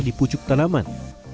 di pucuk tanaman